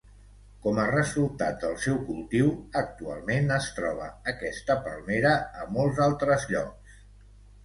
Com a resultat del seu cultiu actualment es troba aquesta palmera a molts altres llocs.